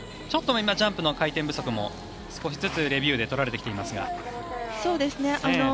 ちょっと今ジャンプの回転不足も少しずつレビューでとられてきていますが。